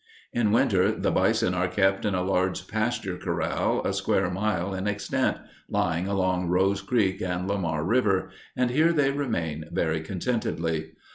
In winter the bison are kept in a large pasture corral a square mile in extent, lying along Rose Creek and Lamar River, and here they remain very contentedly.